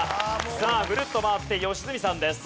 さあぐるっと回って良純さんです。